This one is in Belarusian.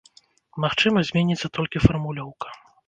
Магчыма, зменіцца толькі фармулёўка.